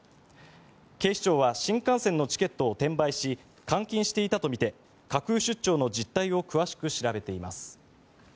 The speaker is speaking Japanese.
警視庁は新幹線のチケットを転売し換金していたとみて架空出張の実態を詳しく調べています。